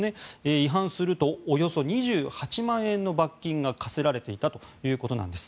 違反するとおよそ２８万円の罰金が科せられていたということです。